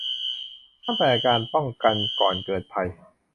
ตั้งแต่การป้องกันก่อนเกิดภัย